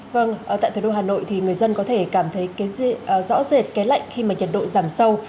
vâng tại thủ đô hà nội thì người dân có thể cảm thấy cái rõ rệt cái lạnh khi mà nhiệt độ giảm sâu